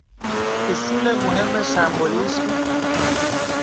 اصول مهم سمبولیسم